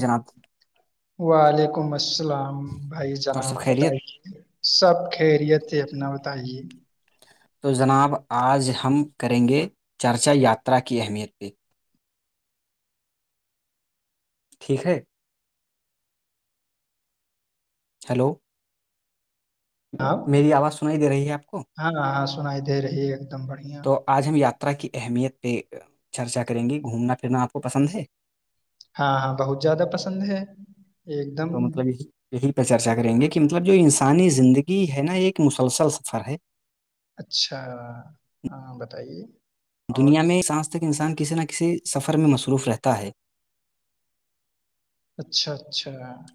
جناب وعلیکم الس السلام بھائی اور جناب سب خیریت بتائیے سب خیریت ہے اپنا بتائیے ہ تو جناب آج ہم کریں گے چرچا یاترا کی اہمیت پہ ٹھیک ہے ہیلو جناب میری آواز سنائی دے رہی ہے آپ کو ہاں ہاں سنائی دے رہی ہے دم بڑھیا تو آج ہم یاد ر کی اہمیت پہ چرچا کریں گی گھومنا پھرنا آپ کو پسند ہے ہاں ہاں بہت زیادہ پسند ہے ایک دم تو مطلب یہی سانی زندگی ہے نا ایک مسلسل سفر ہے اچھا ہاں بتائیے اور دنیا میں سج تک انسان کے کسی نہ کسی سفر میں مصروف رہتا ہے اچھا اچھا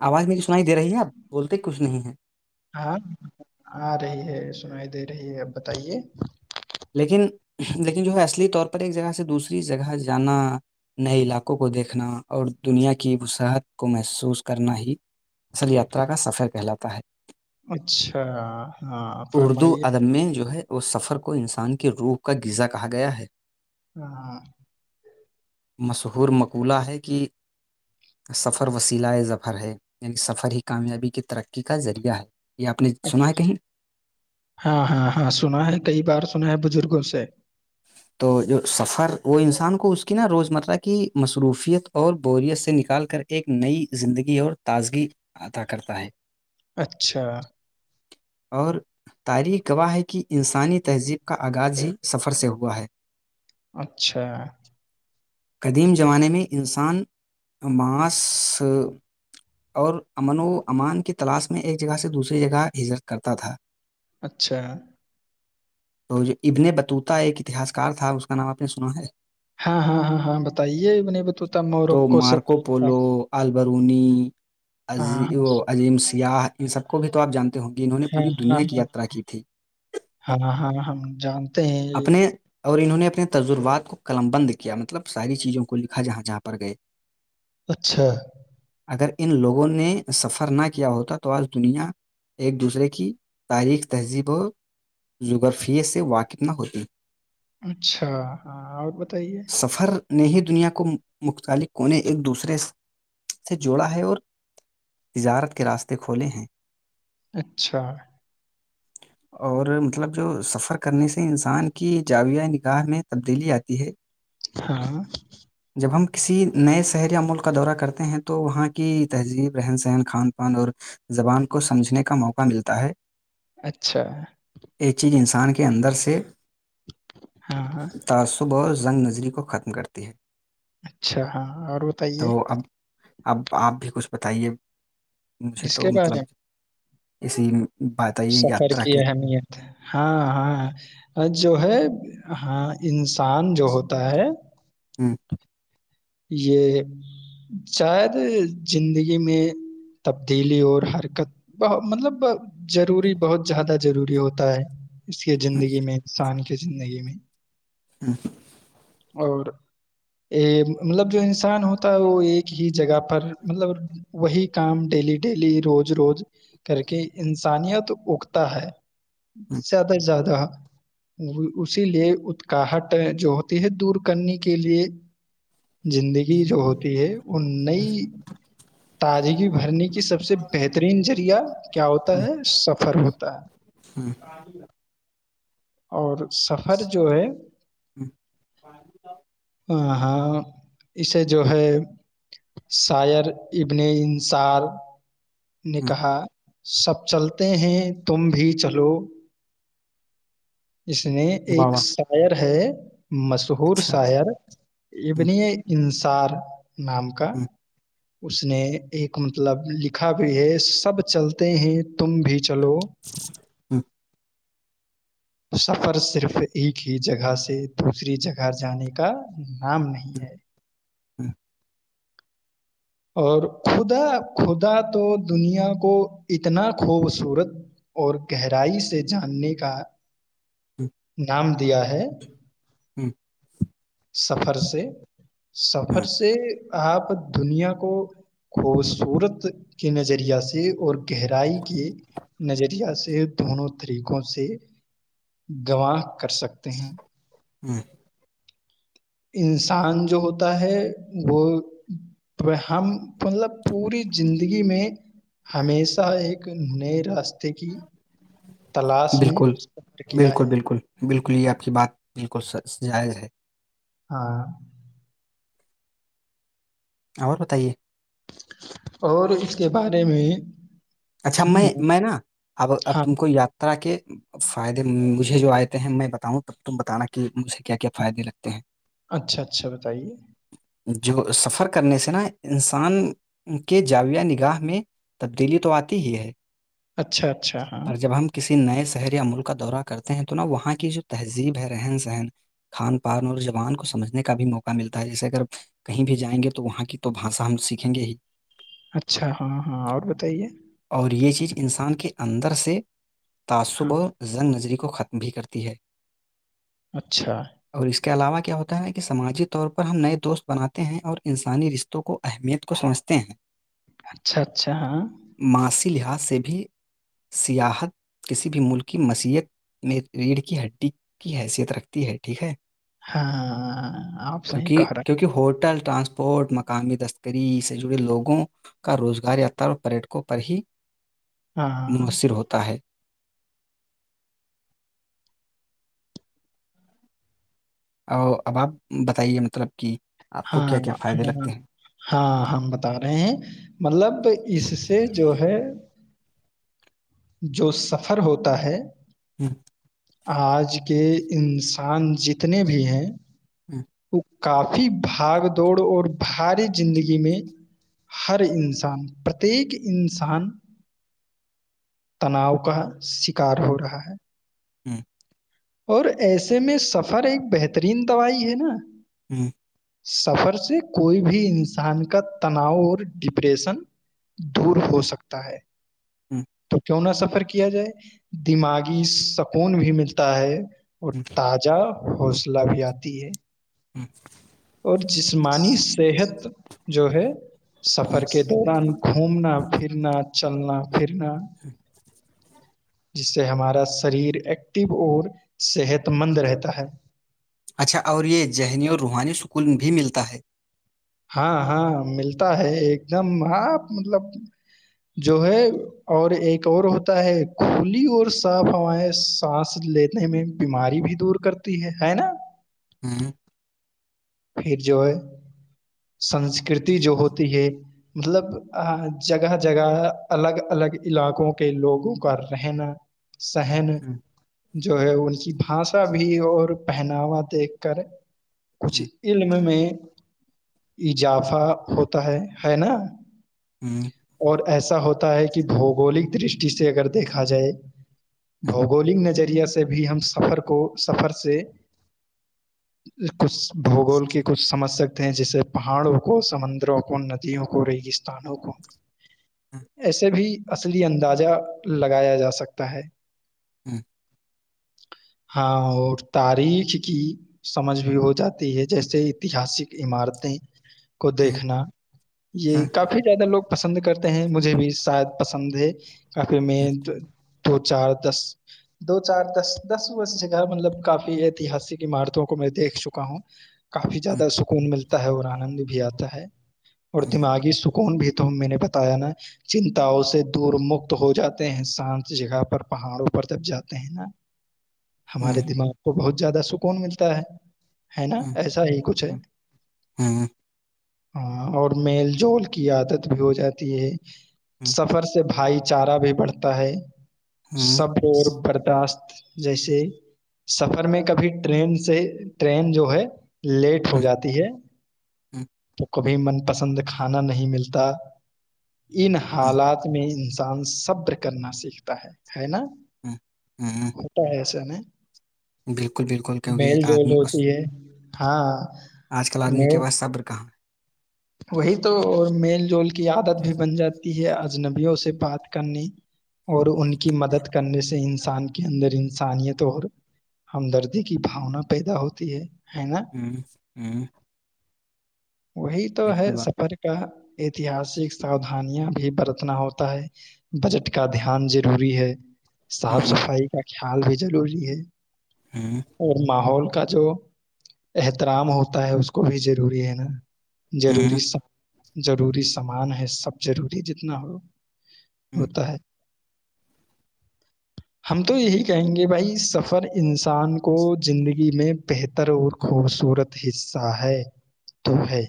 آواز میری سنائی دے رہی ہے آپ بولتے کچھ نہیں ہے ہاں آ رہی ہے سنائی دے رہی اب بتائیے لیکن لیکن جو ہے اصلی طور پر ایک جگہ سے دوسری جگہ جانا نئے علاقوں کو دیکھنا اور دنیا کی وصحت کو محسوس کرنا ہی اصل یاترا کا سفر کہلاتا ہے اچھا ہاں اردو فرمائیے ادب میں جو ہے اس سفر کو انسان کے روح کا غزا کہا گیا ہے ہاںاں مشہور مقولہ ہے کہ سفر وسیلہ ظفر ہے یعنی سفر ہی کامیابی کی ترقی کا ذریعہ ہے یہ آپ نے سنا ہے کہیں ہاں ہاں ہاں سنا ہے کئی بار سنا ہے بزرگوں سے [inaudible] اچھا اور تاریخ گواہ ہے کہ انسانی تہذیب کا آغاز ہی سفر فر سے ہوا ہے اچھا قدیم زمانے میں انسان معاس اور امن و امان کی تلاش میں ایک جگہ سے دوسری جگہ ہجرت کرتا تھا اچھا تو جو ابن بتوت ایک اتہس کار تھا اس کا نام آپ نے سنا ہے ہاں ہاں ہاں ہاں بتائیے ا نہیں ب توتا تو مورک سے مارکو پولو البرونی ہاں ہاں یا ان سب کو بھی تو آپ جانتے ہوں گے انہوں نے ہاں پوری ہاں دنیا کی یاترا کی تھی ہاں ہاں ہاں ہم جانتے ہیں یہ اپنے اور انہوں نے اپنے تجربات کو قلم بند کیا مطلب ساری چیزوں کو لکھا جہاں جہاں پر گئے اچھا اگر ان لوگوں نے سفر نہ کیا ہوتا تو آج دنیا ایک دوسرے کی تاریخ تہذیب و غرفیے سے واقف نا ہوتی اچھا ہاں آپ بتائیے ن ہی دنیا کو مختلف کونے ایک دوسرے سے جوڑا ہے اور تجارت کے راستے کھولے ہیں اچھا اور مطلب جو سفر کرنے سے انسان کی جاویہ نگاہ میں تبدیلی آتی ہے ہاں جب ہم کسی نئے شہر یا ملک کا دورہ کرتے ہیں تو وہاں کی تہذیب رہن سہن کھان پان اور زبان کو سمجھنے کا موقع ملتا ہے اچھا [unintelligible] ان کے اندر سے [unintelligible] ہاں ہاں سےھ [unintelligible] تاسو بہت [unintelligible] زنگ نظری کو ختم کرتی ہے [unintelligible] اچھا ہاں اور بتائیے تو اب اب آپ بھی کچھ [unintelligible] بتائیے [unintelligible] مجھے اس تو کے بارے مطلب میں [unintelligible] اسی [unintelligible] سفر یاترا کی کے اہمیت ہاں ہاں [unintelligible] جو ہے ہاں ان [unintelligible] سان جو ہوتا ہے ہوں، [unintelligible] یہ شاید زندگی میں تبدیلی اور حرکت ب مطلب [unintelligible] ضروری بہت زیادہ [unintelligible] ضروری ہوتا ہے [unintelligible] [unintelligible] اس کے ہوں، زندگی میں انسان کے [unintelligible] [unintelligible] زندگی میں [unintelligible] [unintelligible] ہاں ہاں [unintelligible] [unintelligible] اور یہ [unintelligible] [unintelligible] مطلب جو انسان ہوتا ہے وہ ایک ہی جگہ پر مطلب وہی کام ڈیلی ڈیلی روز روز [unintelligible] [unintelligible] کر کے انسانیت [unintelligible] اگتا ہے [unintelligible] ہوں، [unintelligible] زیادہ سے زیادہ [unintelligible] [unintelligible] اسی لیے اتکاہٹ جو ہوتی ہے دور کرنے کے لیے [unintelligible] [unintelligible] زندگی جو ہوتی ہے وہ نئی تازگی بھرنے کی سب سے بہترین ذریعہ کیا ہوتا ہوں، ہے سفر ہوتا ہے ہوں، [unintelligible] [unintelligible] ہر [unintelligible] [unintelligible] سفر جو ہے ہوں، [unintelligible] [unintelligible] ہاں اسے جو ہے شاعر ابن انصار [unintelligible] [unintelligible] ہوں، نکحا [unintelligible] [unintelligible] سب چلتے ہیں تم بھی چلو [unintelligible] [unintelligible] اس میں واہ ایک واہ شائر ہے [unintelligible] [unintelligible] مشہور اچھا شاعر اب [unintelligible] ہوں، [unintelligible] چار [unintelligible] [unintelligible] نام کا ہوں، [unintelligible] [unintelligible] اس نے ایک مطلب لکھا بھی ہے سب چلتے ہیں تم بھی چلو [unintelligible] ہوں، ہوں، سفر صرف ایک ہی جگہ سے دوسری جگہ جانے کا رام نہیں ہے [unintelligible] ہوں، اور خدا خدا تو دنیا کو اتنا خوبصورت اور گہرائی سے جاننے کا ہوں، دام [unintelligible] دیا ہے [unintelligible] ہوں [unintelligible] سفر سے سفر ہوں، سے [unintelligible] آپ دنیا کو خوبصورت کے نظریہ سے اور گہرائی کے نظرییا سے دونوں طریقوں سے گواہ [unintelligible] کر سکتے ہیں [unintelligible] ہوں [unintelligible] انسان جو ہوتا ہے وہ ہم مطلب پوری زندگی میں ہمیشہ ایک نئے راستے [unintelligible] کی تلاش میں بالکل سفر کیا بالکل ہے [unintelligible] بالکل بالکل یہ آپ کی بات [unintelligible] انال کو جائز ہے ہاں [unintelligible] اور بتائیے [unintelligible] اور اس کے بارے میں [unintelligible] اچھا میں سنیے میں نا اب اب ہاں تم کو یاترا کے [unintelligible] فائدے مجھے جو آئےتے ہیں میں بتاؤں تب تم بتانا کہ مجھے کیا کیا فائدے لگتے ہیں [unintelligible] اچھا اچھا بتائیے ہیں جو سفر [unintelligible] کرنے سے نا انسان کے جاویہ نگاہ میں تبدیلی تو آتی [unintelligible] ہی ہے اچھا اچھا [unintelligible] ہاں اور جب ہم کسی نئے سے [unintelligible] شہر یا ملک کا دورہ کرتے ہیں تو نا وہاں کی جو تہذیب ہے رہن سہن کھان پان اور جوان کو سمجھنے کا بھی موقع ملتا ہے جیسے اگر کہیں بھی جائیں گے تو وہاں کی تو بھاشا ہم سیکھیں گے ہی [unintelligible] اچھا ہاں ہاں اور بتائیے [unintelligible] اور یہ چیز انسان کے اندر سے [unintelligible] ہاں تعصب زن نظری [unintelligible] کو ختم بھی کرتی ہے [unintelligible] اچھا [unintelligible] اور اس کے علاوہ کیا ہوتا ہے کہ سماجی طور پر ہم نئے دوست بناتے ہیں اور انسانی رشتوں کو اہمیت کو سمجھتے ہیں اچھا اچھا ہاں اسی لحاظ سے بھی سیاحت کسی بھی ملک کی مسیحت میں ریڑھ کی ہڈی کی حیثیت رکھتی ہے ٹھیک ہے ہاں آپ صحیح کیونکہ کہہ رہے ہیں کیونکہ ہوٹل [unintelligible] ٹرانسپورٹ مقامی تستکری سے جڑے لوگوں کا روزگار یاتا اور پریٹ کو پرڑ ہی [unintelligible] ہاں منحصر ہوتا ہے [unintelligible] ا اب آپ بتائیے مطلب کہ [unintelligible] ہاں کیا کیا فائدے ہاں لگتے ہیں ہاں ہم بتا رہے ہیں مطلب اس سے جو ہے [unintelligible] جو سفر ہوتا ہے [unintelligible] ہوں [unintelligible] آج کے انسان جتنے بھی ہیں [unintelligible] ہوں [unintelligible] وہ کافی بھاگ دوڑ اور بھاری زندگی میں ہر انسان پرتیک انسان [unintelligible] تناؤ کا شکار ہو رہا ہے ہوں [unintelligible] اور ایسے میں سفر ایک بہترین دوائی ہے نا جی [unintelligible] سفر سے کوئی بھی انسان کا تناؤ اور ڈپریشن دور ہو سکتا ہے ہوں [unintelligible] تو کیوں نہ سفر کیا جائے دماغی سکون بھی ملتا ہے اور ہوں، تازہ حوصلہ بھی آتی ہے [inaudible] ہوں [inaudible] اور جسمانی صحت جو ہے ہوں۔ سفر کے دوران گھومنا پھرنا چلنا [inaudible] پھرنا [inaudible] جس سے ہمارا شریر ایکٹو اور صحت مند رہتا ہے اچھا اور یہ ذہنی اور روحانی سکون بھی ملتا ہے ہاں ہاں ملتا ہے ایک دم ہاں مطلب جو ہے اور ایک اور ہوتا ہے کھلی اور صاف ہوائیں سانس لینے میں بیماری بھی دور کرتی ہے ہے نا ہاں [inaudible] پھر جو ہے [inaudible] سنسکرتی جو ہوتی ہے [inaudible] مطلب جگہ جگہ الگ الگ علاقوں کے لوگوں کا رہنا صہن ہوں، [inaudible] جو ہے ان کی بھاشا بھی اور پہناوا دیکھ کر کچی ہوں، [inaudible] میں میں [inaudible] اضافہ ہوتا ہے ہے نا ہوں، ہوں، اور ایسا ہوتا ہے کہ بھگولک درش چٹی سے اگر دیکھا جائے [inaudible] ہوں، بوگولک ن ج [inaudible] سے بھی ہم سفر کو سفر سے کچھ بھگول کے کچھ سمجھ سکتے ہیں جسے پہاڑوں کو سمندروں کو ندیوں کو ریگ وں کو ہوں، ایسے بھی [inaudible] اصلی اندازہ لگایا جا سکتا ہے ہوں [inaudible] ہاں اور تاریخ کی سمجھ بھی ہو جاتی ہے جیسے ایتحسک عمارتیں [inaudible] کو ہوں، دیکھنا یہ ہوں، کافی زیادہ لوگ پسند کرتے ہیں مجھے بھی شاید پسند ہے کافی میںد دو چار دس دو چار دس دس بس جگہ مطلب کافی ایتہسک عمارتوں کو میں دیکھ چکا ہوں ج کافی زیادہ سکون ملتا ہے اور آنند بھی بھی آتا ہے [inaudible] اور ہوں، تم آگے س کون بھی ت میں نے بتایا نا چنتاؤ سے دور مکت ہو جاتے ہیں شانت جگہ پر پہاڑوں پر جب جاتے ہیں نا ہمارے ہوں، دماغ کو بہت زیادہ سکون ملتا ہے ہے نا ایسا ہی کچھ ہے ہوں، ہاں اور میل جول کی عادت بھی ہو جاتی ہے ہوں۔ سفر سے بھائی چارا بھی بڑھتا ہے ہوں سبر اور برداشت جیسے سفر میں کبھی ٹرین سے ٹرین جو ہے لیٹ ہو ہوں جاتی ہے ہوں کبھی من پسند کھانا نہیں ملتا ان ہوں حالات میں انس ان صبر کرنا سیکھتا ہے ہے نا ہوں ہوں ہوتا ہےس ن [unintelligible] بالکل بالکل کیونکہ آدمی کو ہاں آج کل آدمی کے میل پاس صبر کہاں ہے وہی تو اور میل جول کی عادت بھی بن جائے یہ اجنبیوں سے بات کرنے اور ان کی مدد کرنے سے انسان کے اندر انسانیت اور ہمدردی کی بھاونا پیدا ہوتی ہے ہے نا ہوں ہوں وہی تو ہے سفر کا اتہاسک ساؤودھانیاں بھی برتنا ہوتا ہے بجٹ کا دھیان ضروری ہے صاف ہ صفائی کا حال بھی ضروری ہے ہ اور ماحول کا جو احترام ہوتا ہے اس کو بھی ضروری ہے نا ضروری ہ س ضروری سامان ہے سب ضروری جتنا ہو ہ ہوتا ہے ہم تو یہی کہیں گے بھائی سفر انسان کو زندگی میں بہتر اور خوبصورت حصہ ہے تو ہے